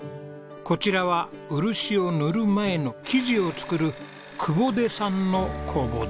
こちらは漆を塗る前の木地を作る久保出さんの工房です。